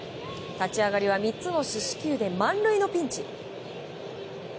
立ち上がりは３つの四死球で満塁のピンチ。